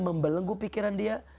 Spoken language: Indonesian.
membelenggu pikiran dia